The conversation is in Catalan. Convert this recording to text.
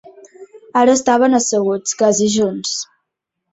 Ara estaven asseguts, quasi junts.